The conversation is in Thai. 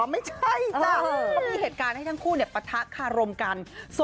ไม่ใช่จ้ะก็มีเหตุการณ์ให้ทั้งคู่ปะทะคารมกัน